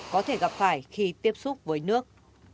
có thể gặp phải khi tiếp xúc với nước